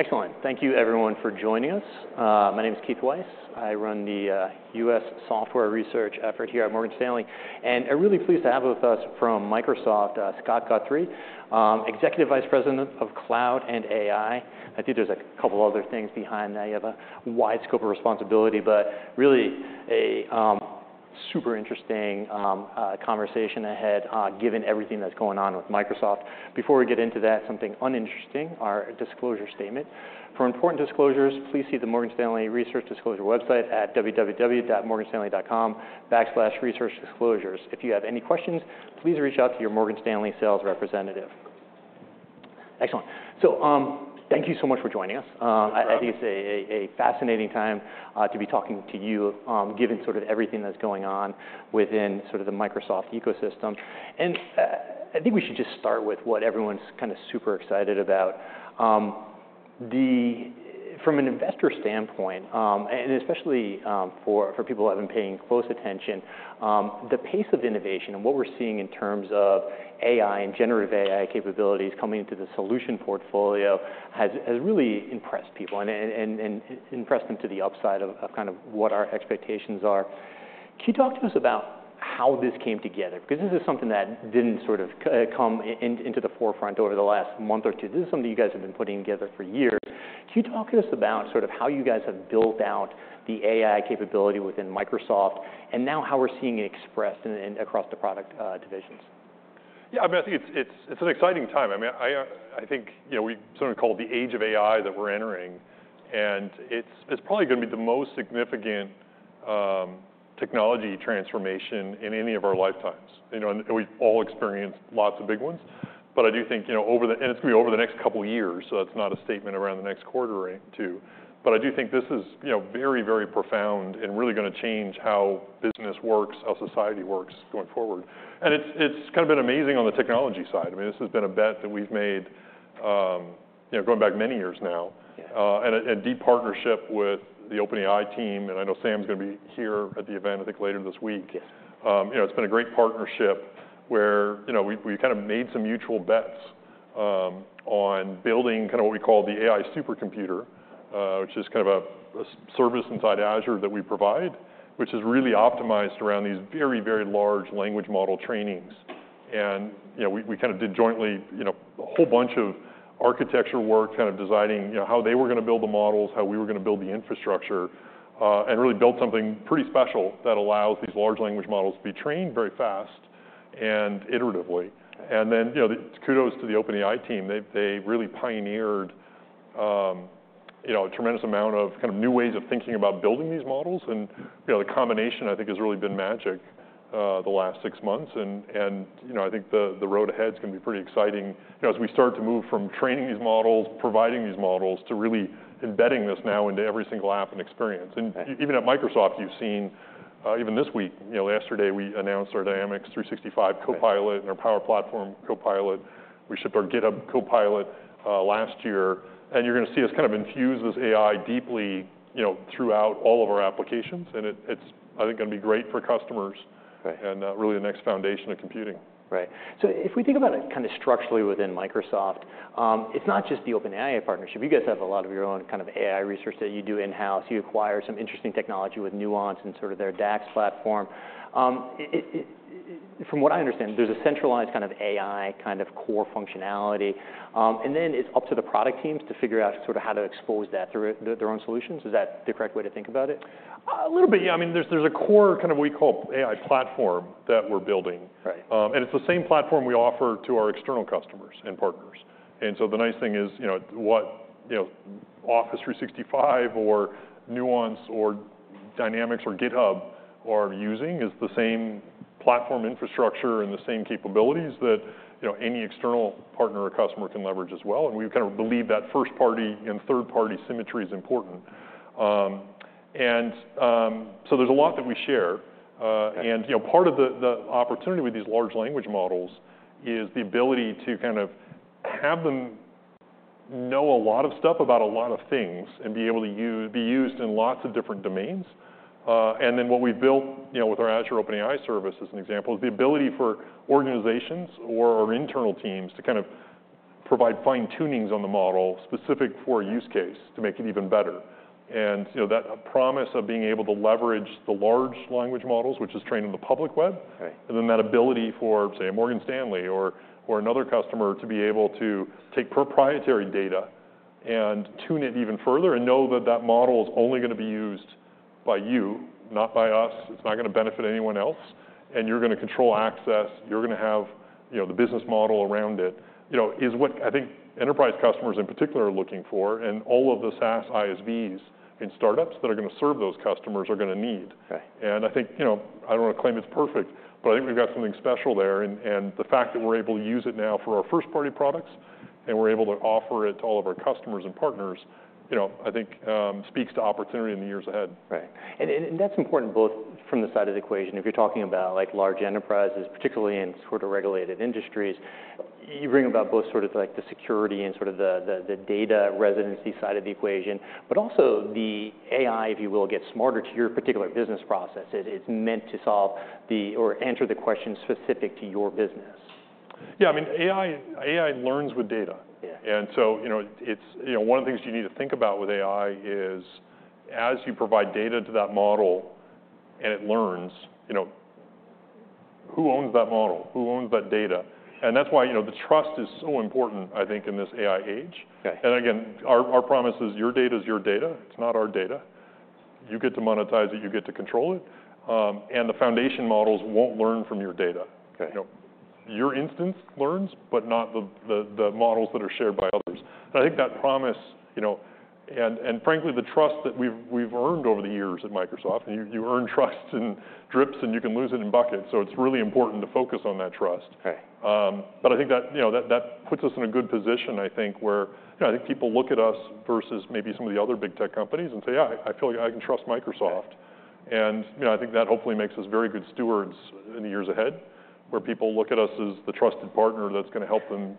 Excellent. Thank you everyone for joining us. My name is Keith Weiss. I run the U.S. Software Research effort here at Morgan Stanley. I'm really pleased to have with us from Microsoft, Scott Guthrie, Executive Vice President of Cloud and AI. I think there's a couple other things behind that. You have a wide scope of responsibility, but really a super interesting conversation ahead, given everything that's going on with Microsoft. Before we get into that, something uninteresting, our disclosure statement. For important disclosures, please see the Morgan Stanley Research Disclosure website at www.morganstanley.com/researchdisclosures. If you have any questions, please reach out to your Morgan Stanley sales representative. Excellent. Thank you so much for joining us. My pleasure. I think it's a fascinating time to be talking to you given everything that's going on within the Microsoft ecosystem. I think we should just start with what everyone's super excited about. From an investor standpoint, especially for people who have been paying close attention, the pace of innovation and what we're seeing in terms of AI and generative AI capabilities coming into the solution portfolio has really impressed people and impressed them to the upside of what our expectations are. Can you talk to us about how this came together? This is something that didn't come into the forefront over the last month or two. This is something you guys have been putting together for years. Can you talk to us about sort of how you guys have built out the AI capability within Microsoft and now how we're seeing it expressed in across the product divisions? Yeah. I mean, I think it's, it's an exciting time. I mean, I think, you know, we sort of call it the Age of AI that we're entering, and it's probably gonna be the most significant technology transformation in any of our lifetimes. You know, we've all experienced lots of big ones, but I do think, you know, it's gonna be over the next couple years, so that's not a statement around the next quarter or two. I do think this is, you know, very, very profound and really gonna change how business works, how society works going forward. It's, it's kind of been amazing on the technology side. I mean, this has been a bet that we've made, you know, going back many years now. Yeah. A deep partnership with the OpenAI team, and I know Sam's gonna be here at the event I think later this week. Yes. You know, it's been a great partnership where, you know, we kind of made some mutual bets on building kinda what we call the AI supercomputer, which is kind of a service inside Azure that we provide, which is really optimized around these very, very large language model trainings. You know, we kind of did jointly, you know, a whole bunch of architecture work kind of designing, you know, how they were gonna build the models, how we were gonna build the infrastructure, and really built something pretty special that allows these large language models to be trained very fast and iteratively. You know, kudos to the OpenAI team. They really pioneered, you know, a tremendous amount of kind of new ways of thinking about building these models and, you know, the combination I think has really been magic, the last six months and, you know, I think the road ahead's gonna be pretty exciting, you know, as we start to move from training these models, providing these models, to really embedding this now into every single app and experience. Right. Even at Microsoft, you've seen, even this week, you know, yesterday we announced our Dynamics 365 Copilot. Right And our Power Platform Copilot. We shipped our GitHub Copilot last year, and you're gonna see us kind of infuse this AI deeply, you know, throughout all of our applications, and it's, I think gonna be great for customers. Right. And really the next foundation of computing. Right. If we think about it kind of structurally within Microsoft, it's not just the OpenAI partnership. You guys have a lot of your own kind of AI research that you do in-house. You acquire some interesting technology with Nuance and sort of their DAX platform. From what I understand, there's a centralized kind of AI kind of core functionality, and then it's up to the product teams to figure out sort of how to expose that through their own solutions. Is that the correct way to think about it? A little bit, yeah. I mean, there's a core kind of what we call AI platform that we're building. Right. It's the same platform we offer to our external customers and partners. The nice thing is, you know, what, you know, Office 365 or Nuance or Dynamics or GitHub are using is the same platform infrastructure and the same capabilities that, you know, any external partner or customer can leverage as well, and we kind of believe that first party and third party symmetry is important. So there's a lot that we share. Right. You know, part of the opportunity with these large language models is the ability to kind of have them know a lot of stuff about a lot of things and be able to be used in lots of different domains. Then what we've built, you know, with our Azure OpenAI service as an example, is the ability for organizations or our internal teams to kind of provide fine-tunings on the model specific for a use case to make it even better. You know, that promise of being able to leverage the large language models, which is trained in the public web. Right. And then that ability for, say, a Morgan Stanley or another customer to be able to take proprietary data and tune it even further and know that that model is only gonna be used by you, not by us, it's not gonna benefit anyone else, and you're gonna control access, you're gonna have, you know, the business model around it, you know, is what I think enterprise customers in particular are looking for, and all of the SaaS ISVs and startups that are gonna serve those customers are gonna need. Right. I think, you know, I don't wanna claim it's perfect, but I think we've got something special there and the fact that we're able to use it now for our first party products, and we're able to offer it to all of our customers and partners, you know, I think speaks to opportunity in the years ahead. Right. That's important both from the side of the equation. If you're talking about like large enterprises, particularly in sort of regulated industries, you bring about both sort of like the security and sort of the data residency side of the equation, also the AI, if you will, gets smarter to your particular business process. It's meant to solve the or answer the question specific to your business. Yeah, I mean, AI learns with data. Yeah. You know, it's, you know, one of the things you need to think about with AI is as you provide data to that model and it learns, you know, who owns that model? Who owns that data? That's why, you know, the trust is so important, I think, in this AI age. Okay. Again, our promise is your data is your data. It's not our data. You get to monetize it, you get to control it. And the foundation models won't learn from your data. Okay. You know? Your instance learns, but not the models that are shared by others. I think that promise, you know, and frankly the trust that we've earned over the years at Microsoft, and you earn trust in drips, and you can lose it in buckets, so it's really important to focus on that trust. Okay. I think that, you know, that puts us in a good position, I think, where, you know, I think people look at us versus maybe some of the other big tech companies and say, "Yeah, I feel like I can trust Microsoft." Yeah. You know, I think that hopefully makes us very good stewards in the years ahead, where people look at us as the trusted partner that's gonna help them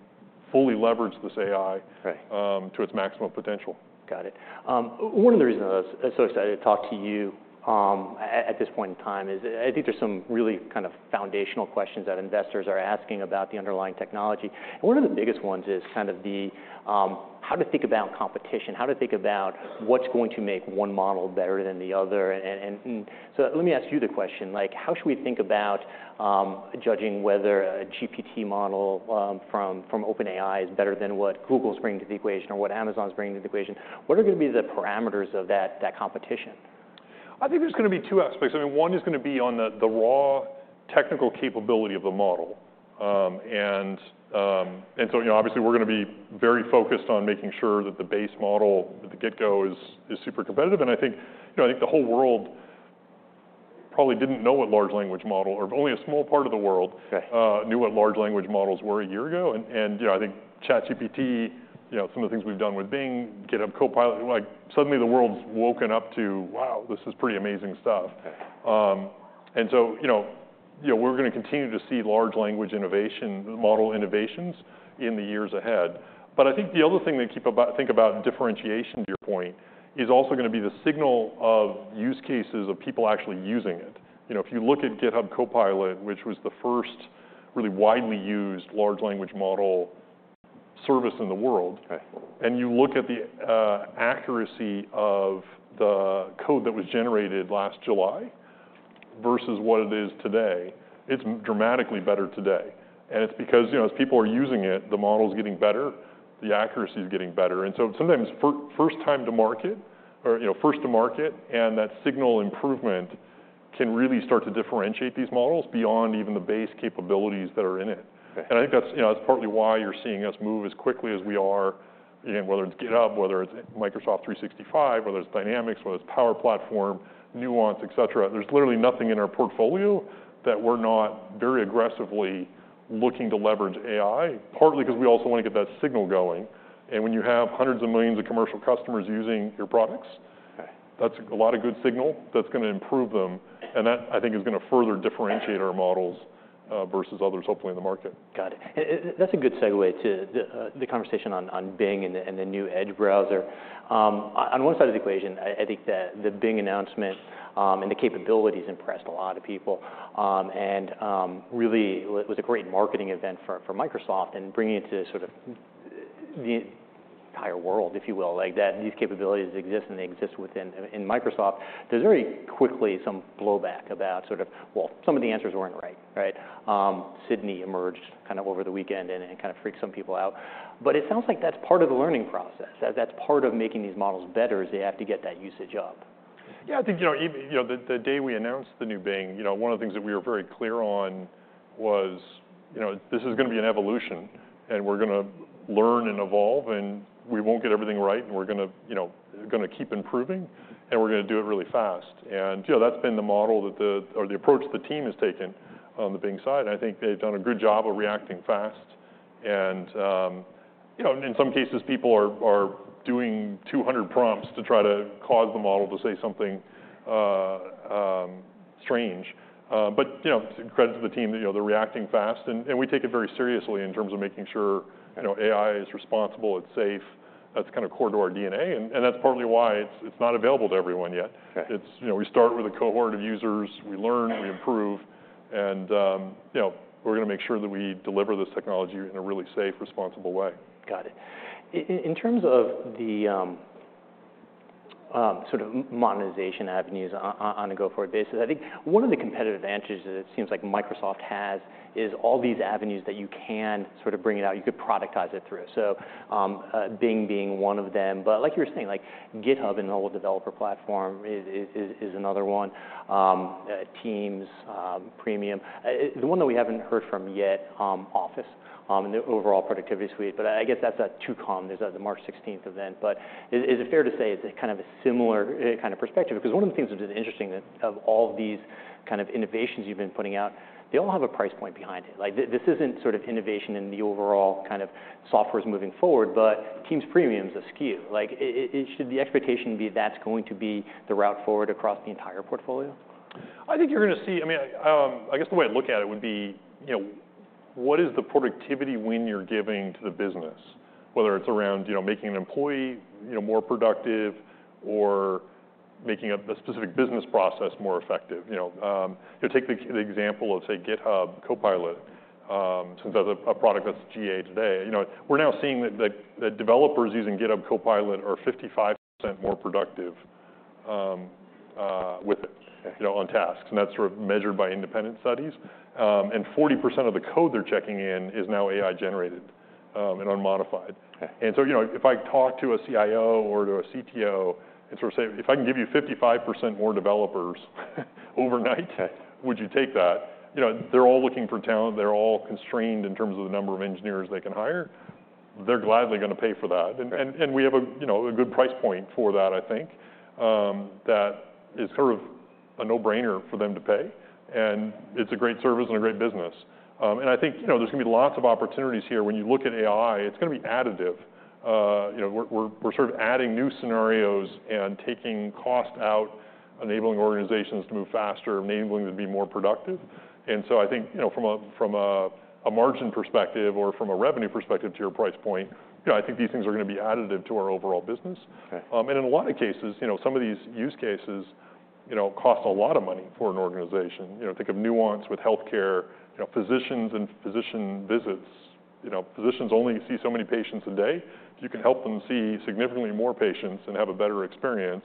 fully leverage this AI. Right. To its maximum potential. Got it. One of the reasons I was so excited to talk to you at this point in time is I think there's some really kind of foundational questions that investors are asking about the underlying technology, and one of the biggest ones is kind of the, how to think about competition, how to think about what's going to make one model better than the other. Let me ask you the question. Like, how should we think about judging whether a GPT model from OpenAI is better than what Google's bringing to the equation or what Amazon's bringing to the equation? What are gonna be the parameters of that competition? I think there's gonna be two aspects. I mean, one is gonna be on the raw technical capability of the model. You know, obviously we're gonna be very focused on making sure that the base model at the get-go is super competitive. I think, you know, I think the whole world probably didn't know what large language model, or only a small part of the world. Okay. Knew what large language models were a year ago. You know, I think ChatGPT, you know, some of the things we've done with Bing, GitHub Copilot, like suddenly the world's woken up to, wow, this is pretty amazing stuff. Yeah. You know, we're gonna continue to see large language innovation, model innovations in the years ahead. I think the other thing to keep think about in differentiation to your point is also gonna be the signal of use cases of people actually using it. You know, if you look at GitHub Copilot, which was the first really widely used large language model service in the world. Okay. And you look at the accuracy of the code that was generated last July versus what it is today, it's dramatically better today. It's because, you know, as people are using it, the model's getting better, the accuracy is getting better. Sometimes first time to market or, you know, first to market and that signal improvement can really start to differentiate these models beyond even the base capabilities that are in it. Okay. I think that's, you know, that's partly why you're seeing us move as quickly as we are, you know, whether it's GitHub, whether it's Microsoft 365, whether it's Dynamics, whether it's Power Platform, Nuance, et cetera, there's literally nothing in our portfolio that we're not very aggressively looking to leverage AI, partly because we also wanna get that signal going. When you have hundreds of millions of commercial customers using your products. Okay. That's a lot of good signal that's gonna improve them, and that, I think, is gonna further differentiate. Right. Our models, versus others hopefully in the market. Got it. That's a good segue to the conversation on Bing and the new Edge browser. On one side of the equation, I think the Bing announcement and the capabilities impressed a lot of people and really was a great marketing event for Microsoft and bringing it to sort of the entire world, if you will. Like that, these capabilities exist, and they exist within Microsoft, there's very quickly some blowback about sort of, well, some of the answers weren't right. Right? Sydney emerged kind of over the weekend, and it kind of freaked some people out. It sounds like that's part of the learning process, that that's part of making these models better, is they have to get that usage up. Yeah. I think, you know, you know, the day we announced the new Bing, you know, one of the things that we were very clear on was, you know, this is gonna be an evolution, and we're gonna learn and evolve, and we won't get everything right, and we're gonna keep improving, and we're gonna do it really fast. You know, that's been the model or the approach the team has taken on the Bing side. I think they've done a good job of reacting fast. You know, in some cases, people are doing 200 prompts to try to cause the model to say something strange. You know, credit to the team that, you know, they're reacting fast. We take it very seriously in terms of making sure, you know, AI is responsible, it's safe. That's kind of core to our DNA, and that's partly why it's not available to everyone yet. Okay. It's, you know, we start with a cohort of users. We learn, we improve. You know, we're gonna make sure that we deliver this technology in a really safe, responsible way. Got it. In terms of the sort of monetization avenues on a go forward basis, I think one of the competitive advantages that it seems like Microsoft has is all these avenues that you can sort of bring it out, you could productize it through. Bing being one of them. Like you were saying, like GitHub and the whole developer platform is another one. Teams Premium. The one that we haven't heard from yet, Office and the overall productivity suite, but I guess that's at two com. There's the March 16th event. Is it fair to say it's a kind of a similar kind of perspective? One of the things which is interesting that of all of these kind of innovations you've been putting out, they all have a price point behind it. Like this isn't sort of innovation in the overall kind of software moving forward, but Teams Premium's a SKU. Should the expectation be that's going to be the route forward across the entire portfolio? I think you're gonna see. I mean, I guess the way I'd look at it would be, you know, what is the productivity win you're giving to the business, whether it's around, you know, making an employee, you know, more productive or making up a specific business process more effective. You know, you take the example of say, GitHub Copilot, since that's a product that's GA today. You know, we're now seeing that developers using GitHub Copilot are 55% more productive with it. Okay. You know, on tasks, and that's sort of measured by independent studies. 40% of the code they're checking in is now AI generated and unmodified. Okay. You know, if I talk to a CIO or to a CTO, and sort of say, "If I can give you 55% more developers overnight." Okay. "Would you take that?" You know, they're all looking for talent, they're all constrained in terms of the number of engineers they can hire. They're gladly gonna pay for that. We have a, you know, a good price point for that, I think, that is sort of a no-brainer for them to pay, and it's a great service and a great business. I think, you know, there's gonna be lots of opportunities here. When you look at AI, it's gonna be additive. You know, we're sort of adding new scenarios and taking cost out, enabling organizations to move faster, enabling them to be more productive. I think, you know, from a, from a margin perspective or from a revenue perspective to your price point, you know, I think these things are gonna be additive to our overall business. Okay. In a lot of cases, you know, some of these use cases, you know, cost a lot of money for an organization. You know, think of Nuance with healthcare, you know, physicians and physician visits. You know, physicians only see so many patients a day. If you can help them see significantly more patients and have a better experience,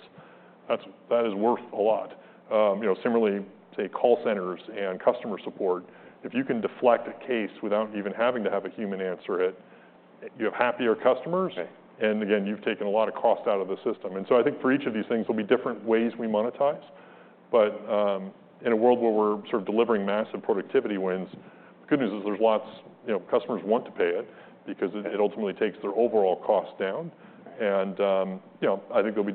that is worth a lot. You know, similarly, say, call centers and customer support. If you can deflect a case without even having to have a human answer it, you have happier customers. Okay. You've taken a lot of cost out of the system. I think for each of these things, there'll be different ways we monetize, in a world where we're sort of delivering massive productivity wins. You know, customers want to pay it. Okay. It ultimately takes their overall cost down. Okay. You know, I think there'll be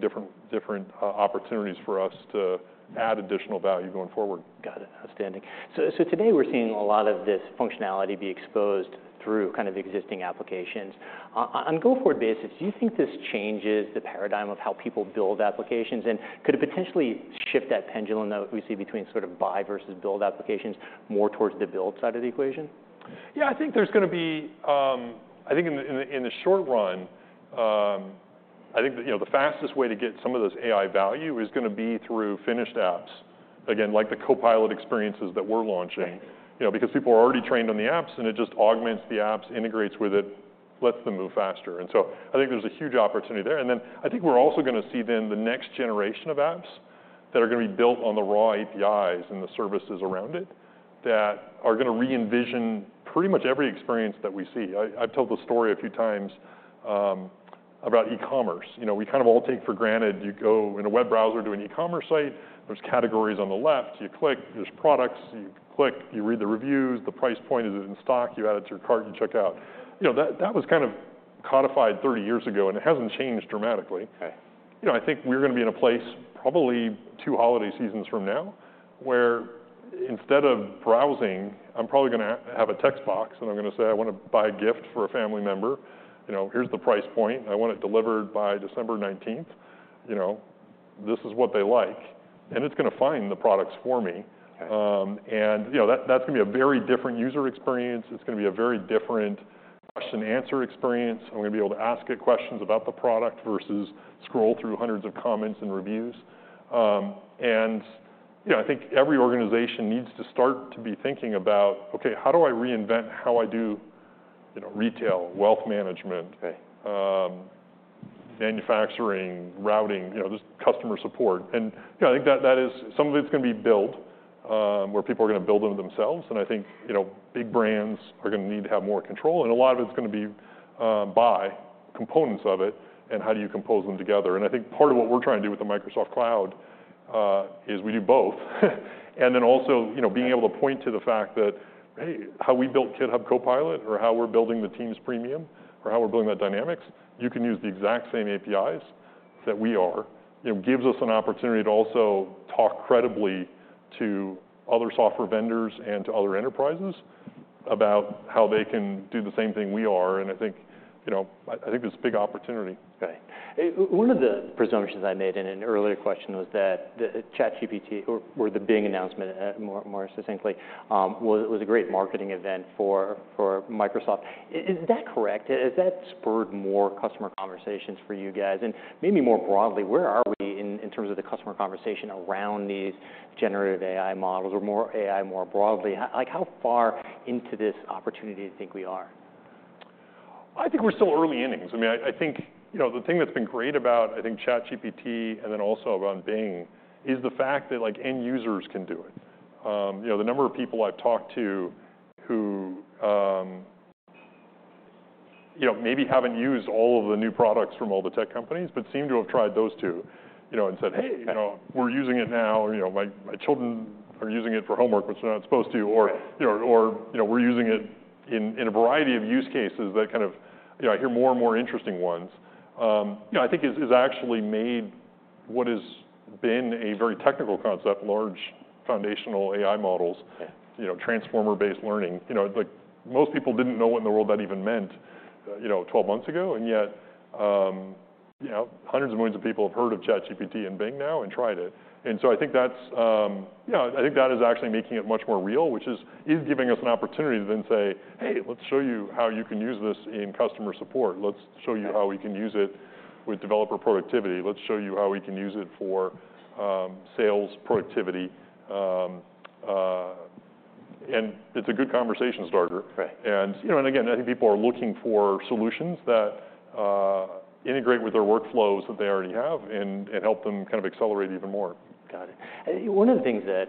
different opportunities for us to add additional value going forward. Got it. Outstanding. Today we're seeing a lot of this functionality be exposed through kind of existing applications. On go forward basis, do you think this changes the paradigm of how people build applications, and could it potentially shift that pendulum that we see between sort of buy versus build applications more towards the build side of the equation? Yeah, I think there's gonna be, I think in the short run, I think, you know, the fastest way to get some of this AI value is gonna be through finished apps. Again, like the Copilot experiences that we're launching. Okay. You know, because people are already trained on the apps and it just augments the apps, integrates with it, lets them move faster. I think there's a huge opportunity there. I think we're also gonna see then the next generation of apps that are gonna be built on the raw APIs and the services around it that are gonna re-envision pretty much every experience that we see. I've told this story a few times about e-commerce. You know, we kind of all take for granted, you go in a web browser to an e-commerce site, there's categories on the left, you click, there's products, you click, you read the reviews, the price point, is it in stock, you add it to your cart, you check out. You know, that was kind of codified 30 years ago, and it hasn't changed dramatically. Okay. You know, I think we're gonna be in a place probably two holiday seasons from now where instead of browsing, I'm probably gonna have a text box and I'm gonna say, "I wanna buy a gift for a family member. You know, here's the price point. I want it delivered by December 19th. You know, this is what they like." It's gonna find the products for me. Okay. You know, that's gonna be a very different user experience, it's gonna be a very different question and answer experience, I'm gonna be able to ask it questions about the product versus scroll through hundreds of comments and reviews. You know, I think every organization needs to start to be thinking about, "Okay, how do I reinvent how I do, you know, retail, wealth management." Okay. "Manufacturing, routing, you know, just customer support?" You know, I think that is. Some of it's gonna be build, where people are gonna build it themselves, and I think, you know, big brands are gonna need to have more control, and a lot of it's gonna be, buy components of it and how do you compose them together. I think part of what we're trying to do with the Microsoft Cloud, is we do both. Also, you know, being able to point to the fact that, "Hey, how we built GitHub Copilot, or how we're building the Teams Premium, or how we're building the Dynamics, you can use the exact same APIs that we are." You know, gives us an opportunity to also talk credibly to other software vendors and to other enterprises about how they can do the same thing we are. I think, you know, I think there's a big opportunity. Okay. One of the presumptions I made in an earlier question was that the ChatGPT or the Bing announcement, more succinctly, was a great marketing event for Microsoft. Is that correct? Has that spurred more customer conversations for you guys? Maybe more broadly, where are we in terms of the customer conversation around these generative AI models, or more AI more broadly? Like how far into this opportunity do you think we are? I think we're still early innings. I mean, I think, you know, the thing that's been great about, I think, ChatGPT and then also around Bing is the fact that, like, end users can do it. You know, the number of people I've talked to who, you know, maybe haven't used all of the new products from all the tech companies, but seem to have tried those two, you know, and said, "Hey, you know, we're using it now," you know, "My, my children are using it for homework which they're not supposed to. Right. You know, or, you know, "We're using it in a variety of use cases that kind of." You know, I hear more and more interesting ones, you know, I think has actually made what has been a very technical concept, large foundational AI models. Okay. You know, transformer-based learning. You know, like most people didn't know what in the world that even meant, you know, 12 months ago, and yet, you know, hundreds of millions of people have heard of ChatGPT and Bing now and tried it. I think that's. You know, I think that is actually making it much more real, which is giving us an opportunity to then say, "Hey, let's show you how you can use this in customer support. Let's show you." Okay. "How we can use it with developer productivity. Let's show you how we can use it for, sales productivity." It's a good conversation starter. Right. You know, and again, I think people are looking for solutions that integrate with their workflows that they already have and help them kind of accelerate even more. Got it. One of the things that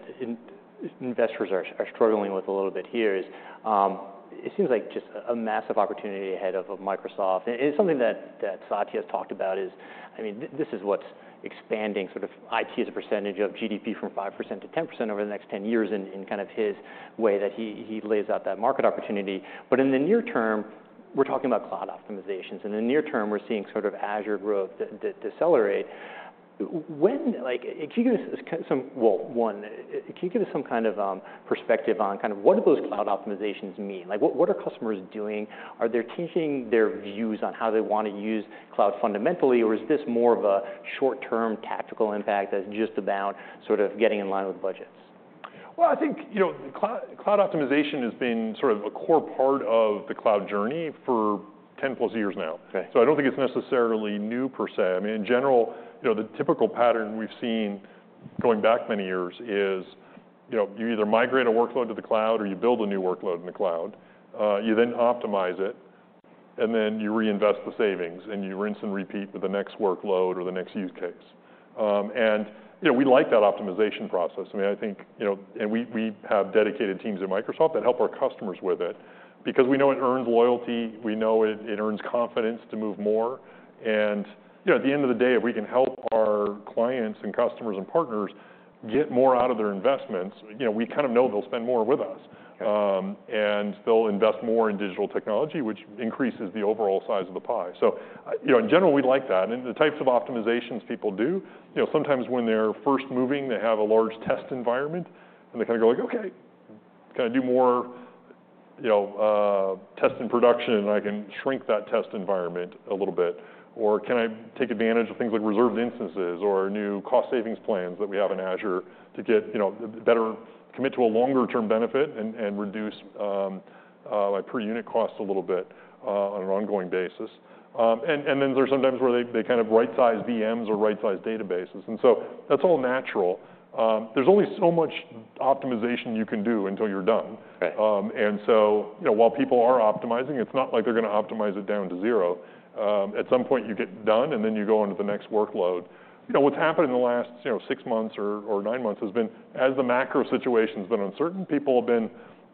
investors are struggling with a little bit here is, it seems like just a massive opportunity ahead of Microsoft, and it's something that Satya has talked about is, I mean, this is what's expanding sort of IT as a percentage of GDP from 5%-10% over the next 10 years in kind of his way that he lays out that market opportunity. In the near term, we're talking about cloud optimizations. In the near term, we're seeing sort of Azure growth decelerate. Like, can you give us some, well, one, can you give us some kind of perspective on kind of what do those cloud optimizations mean? Like, what are customers doing? Are they changing their views on how they wanna use cloud fundamentally, or is this more of a short-term tactical impact that's just about sort of getting in line with budgets? Well, I think, you know, cloud optimization has been sort of a core part of the cloud journey for 10-plus years now. Okay. I don't think it's necessarily new per se. I mean, in general, you know, the typical pattern we've seen going back many years is, you know, you either migrate a workload to the cloud or you build a new workload in the cloud. You then optimize it, and then you reinvest the savings, and you rinse and repeat with the next workload or the next use case. You know, we like that optimization process. I mean, I think, you know, we have dedicated teams at Microsoft that help our customers with it because we know it earns loyalty, we know it earns confidence to move more. You know, at the end of the day, if we can help our clients and customers and partners get more out of their investments, you know, we kind of know they'll spend more with us. Okay. They'll invest more in digital technology, which increases the overall size of the pie. I, you know, in general, we like that. The types of optimizations people do, you know, sometimes when they're first moving, they have a large test environment, and they kind of go like, "Okay. Can I do more, you know, test in production and I can shrink that test environment a little bit?" "Can I take advantage of things like Reserved Instances or new cost savings plans that we have in Azure to get, you know, better commit to a longer term benefit and reduce my per unit cost a little bit on an ongoing basis?" Then there's sometimes where they kind of right-size VMs or right-size databases, that's all natural. There's only so much optimization you can do until you're done. Right. You know, while people are optimizing, it's not like they're gonna optimize it down to zero. At some point, you get done, and then you go onto the next workload. You know, what's happened in the last, you know, six months or nine months has been, as the macro situation's been uncertain, people have been,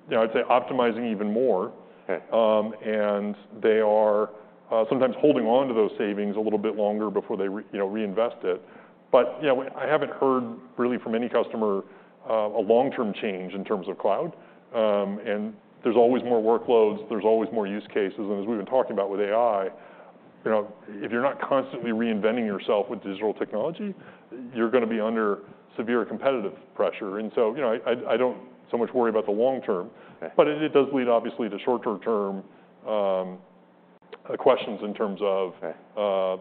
you know, I'd say optimizing even more. Okay. They are sometimes holding onto those savings a little bit longer before they you know, reinvest it. You know, I haven't heard really from any customer a long-term change in terms of cloud. There's always more workloads, there's always more use cases, and as we've been talking about with AI, you know, if you're not constantly reinventing yourself with digital technology, you're gonna be under severe competitive pressure. You know, I don't so much worry about the long term. Okay. It does lead obviously to short-term questions in terms of. Okay.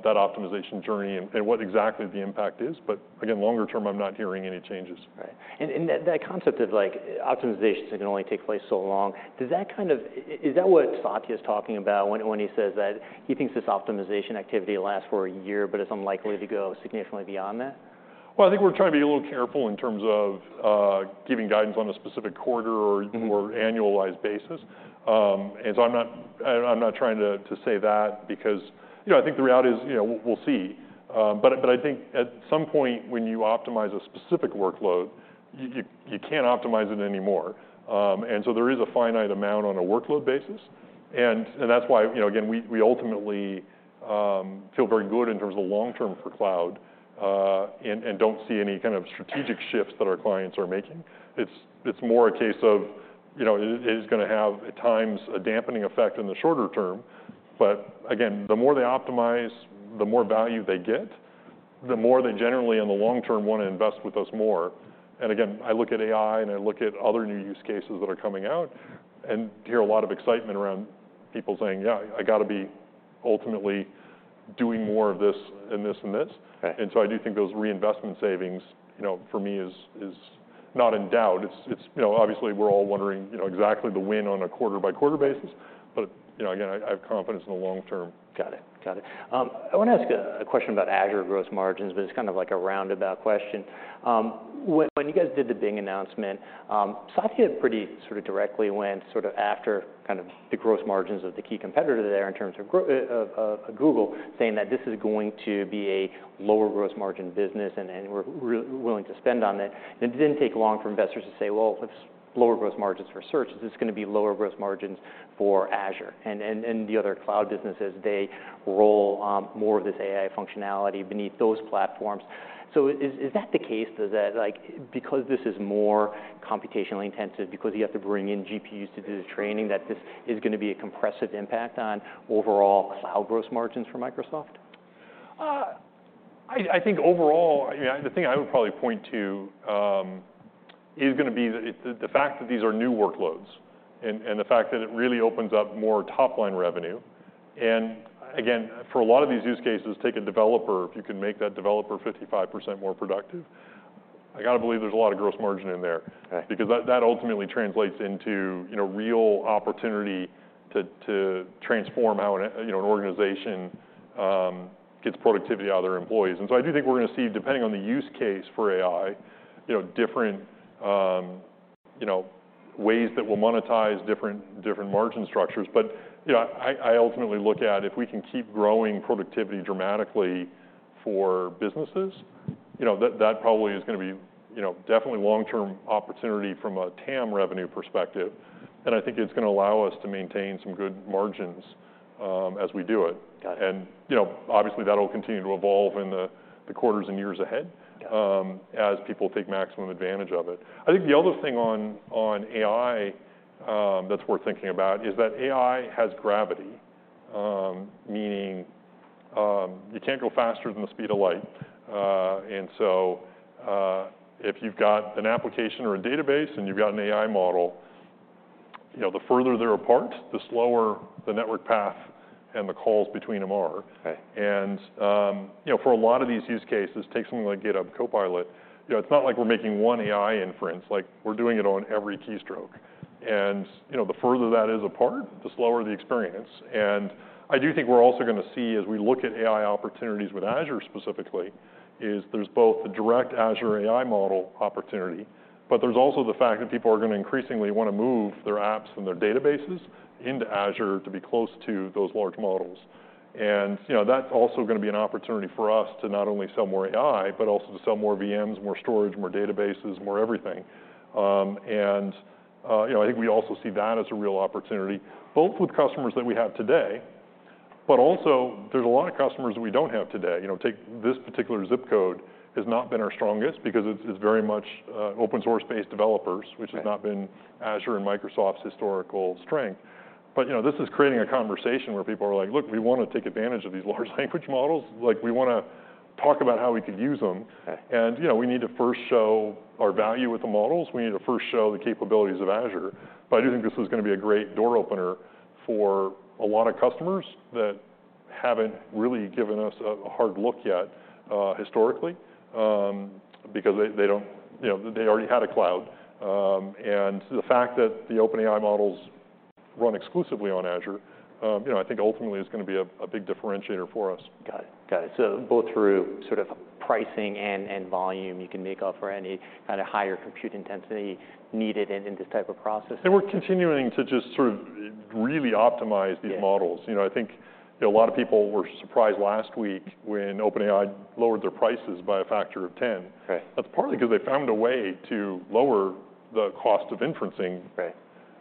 That cloud optimization journey and what exactly the impact is. Again, longer term, I'm not hearing any changes. Right. And that concept of, like, optimization can only take place so long, is that what Satya's talking about when he says that he thinks this optimization activity lasts for a year, but it's unlikely to go significantly beyond that? I think we're trying to be a little careful in terms of giving guidance on a specific quarter. Mm-hmm. Or annualized basis. I'm not trying to say that because, you know, I think the reality is, you know, we'll see. I think at some point when you optimize a specific workload, you can't optimize it anymore. There is a finite amount on a workload basis, and that's why, you know, again, we ultimately feel very good in terms of long term for cloud and don't see any kind of strategic shifts that our clients are making. It's more a case of, you know, it is gonna have at times a dampening effect in the shorter term. Again, the more they optimize, the more value they get, the more they generally in the long term wanna invest with us more. Again, I look at AI and I look at other new use cases that are coming out and hear a lot of excitement around people saying, "Yeah, I gotta be ultimately doing more of this and this and this. Okay. I do think those reinvestment savings, you know, for me is not in doubt. It's, you know, obviously we're all wondering, you know, exactly the win on a quarter-by-quarter basis, but, you know, again, I have confidence in the long term. Got it. Got it. I wanna ask a question about Azure gross margins, but it's kind of like a roundabout question. When you guys did the Bing announcement, Satya pretty sort of directly went sort of after kind of the gross margins of the key competitor there in terms of Google, saying that this is going to be a lower gross margin business and we're willing to spend on that. It didn't take long for investors to say, "Well, if it's lower gross margins for search, is this gonna be lower gross margins for Azure and the other cloud businesses as they roll more of this AI functionality beneath those platforms?" Is that the case? Does that like. Because this is more computationally intensive, because you have to bring in GPUs to do the training, that this is going to be a compressive impact on overall cloud gross margins for Microsoft? I think overall, I mean, the thing I would probably point to, is gonna be the fact that these are new workloads and the fact that it really opens up more top line revenue. For a lot of these use cases, take a developer. If you can make that developer 55% more productive, I gotta believe there's a lot of gross margin in there. Okay. Because that ultimately translates into, you know, real opportunity to transform how an organization gets productivity out of their employees. I do think we're gonna see, depending on the use case for AI, you know, different ways that will monetize different margin structures. You know, I ultimately look at if we can keep growing productivity dramatically for businesses, you know, that probably is gonna be, you know, definitely long-term opportunity from a TAM revenue perspective. I think it's gonna allow us to maintain some good margins as we do it. Got it. You know, obviously that'll continue to evolve in the quarters and years ahead. Got it. As people take maximum advantage of it. I think the other thing on AI, that's worth thinking about is that AI has gravity, meaning, you can't go faster than the speed of light. If you've got an application or a database and you've got an AI model, you know, the further they're apart, the slower the network path and the calls between them are. Okay. You know, for a lot of these use cases, take something like GitHub Copilot, you know, it's not like we're making one AI inference, like we're doing it on every keystroke. You know, the further that is apart, the slower the experience. I do think we're also gonna see as we look at AI opportunities with Azure specifically, is there's both the direct Azure AI model opportunity, but there's also the fact that people are gonna increasingly wanna move their apps and their databases into Azure to be close to those large models. You know, that's also gonna be an opportunity for us to not only sell more AI, but also to sell more VMs, more storage, more databases, more everything. You know, I think we also see that as a real opportunity both with customers that we have today, but also there's a lot of customers that we don't have today. You know, take this particular zip code has not been our strongest because it's very much open source-based developers. Right. Which has not been Azure and Microsoft's historical strength. You know, this is creating a conversation where people are like, "Look, we wanna take advantage of these large language models. Like, we wanna talk about how we could use them." Okay. You know, we need to first show our value with the models. We need to first show the capabilities of Azure. I do think this is gonna be a great door opener for a lot of customers that haven't really given us a hard look yet, historically, because they don't, you know, they already had a cloud. The fact that the OpenAI models run exclusively on Azure, you know, I think ultimately is gonna be a big differentiator for us. Got it. Both through sort of pricing and volume, you can make up for any kind of higher compute intensity needed in this type of process. We're continuing to just sort of really optimize these models. Yeah. You know, I think, you know, a lot of people were surprised last week when OpenAI lowered their prices by a factor of 10. Right. That's partly 'cause they found a way to lower the cost of inferencing.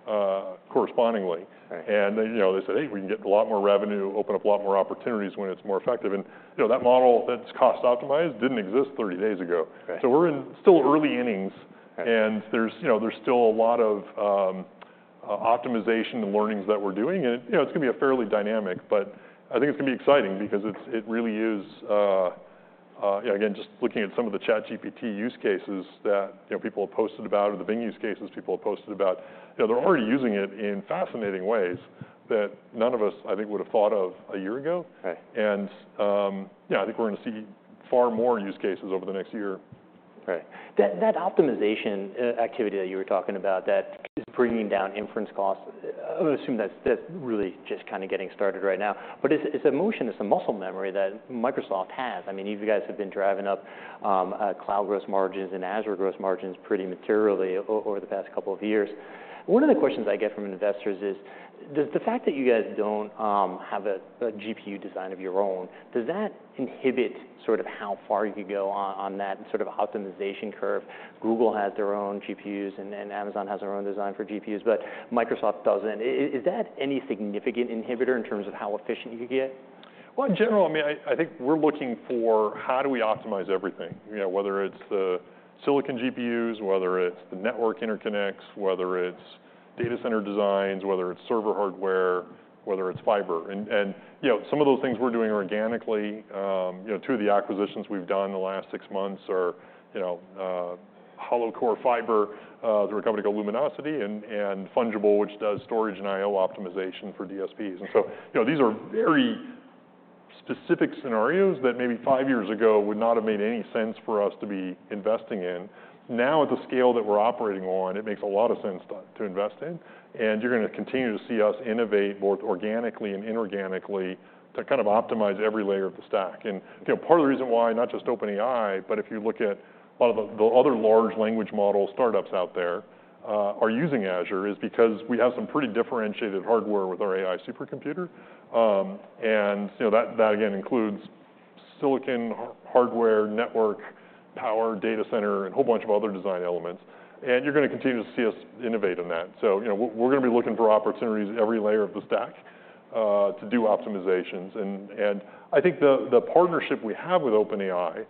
Right. Correspondingly. Right. They, you know, they said, "Hey, we can get a lot more revenue, open up a lot more opportunities when it's more effective." You know, that model that's cost optimized didn't exist 30 days ago. Right. We're in still early innings. Right. And there's, you know, there's still a lot of optimization and learnings that we're doing and, you know, it's gonna be a fairly dynamic, but I think it's gonna be exciting because it's, it really is, yeah, again, just looking at some of the ChatGPT use cases that, you know, people have posted about, or the Bing use cases people have posted about, you know, they're already using it in fascinating ways that none of us, I think, would've thought of a year ago. Right. Yeah, I think we're gonna see far more use cases over the next year. Right. That optimization activity that you were talking about that is bringing down AI inference costs, I would assume that's really just kind of getting started right now. It's a motion, it's a muscle memory that Microsoft has. I mean, you guys have been driving up cloud growth margins and Azure growth margins pretty materially over the past couple of years. One of the questions I get from investors is, does the fact that you guys don't have a GPU design of your own, does that inhibit sort of how far you can go on that sort of optimization curve? Google has their own GPUs Amazon has their own design for GPUs, but Microsoft doesn't. Is that any significant inhibitor in terms of how efficient you could get? Well, in general, I mean, I think we're looking for how do we optimize everything, you know, whether it's the silicon GPUs, whether it's the network interconnects, whether it's data center designs, whether it's server hardware, whether it's fiber. You know, some of those things we're doing organically. You know, two of the acquisitions we've done in the last six months are, you know, hollow core fiber through a company called Luminosity and Fungible, which does storage and IO optimization for DSPs. You know, these are very specific scenarios that maybe five years ago would not have made any sense for us to be investing in. Now, at the scale that we're operating on, it makes a lot of sense to invest in, and you're gonna continue to see us innovate both organically and inorganically to kind of optimize every layer of the stack. You know, part of the reason why not just OpenAI, but if you look at a lot of the other large language model startups out there, are using Azure, is because we have some pretty differentiated hardware with our AI supercomputer. You know, that again includes silicon, hardware, network, power, data center, and a whole bunch of other design elements, and you're gonna continue to see us innovate in that. You know, we're gonna be looking for opportunities in every layer of the stack to do optimizations. And I think the partnership we have with OpenAI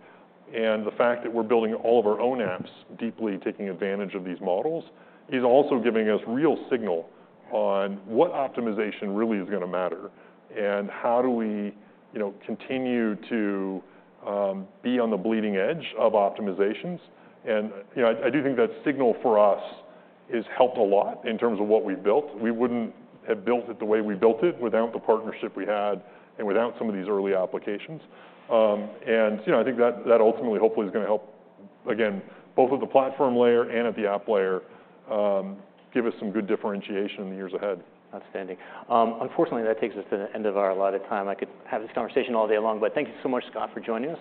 and the fact that we're building all of our own apps deeply taking advantage of these models, is also giving us real signal on what optimization really is gonna matter and how do we, you know, continue to be on the bleeding edge of optimizations. You know, I do think that signal for us has helped a lot in terms of what we've built. We wouldn't have built it the way we built it without the partnership we had and without some of these early applications. You know, I think that ultimately, hopefully is gonna help, again, both at the platform layer and at the app layer, give us some good differentiation in the years ahead. Outstanding. Unfortunately that takes us to the end of our allotted time. I could have this conversation all day long, but thank you so much, Scott, for joining us.